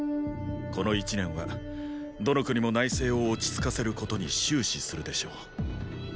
この一年はどの国も内政を落ち着かせることに終始するでしょう。